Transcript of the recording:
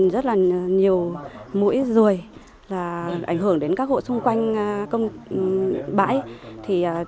rất là nhiều mũi rùi là ảnh hưởng đến các hộ xung quanh bãi